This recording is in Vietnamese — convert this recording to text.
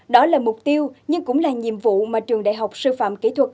đó là mục tiêu nhưng cũng là nhiệm vụ mà trường đại học sư phạm kỹ thuật